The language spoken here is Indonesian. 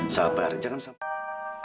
sabar jangan sampai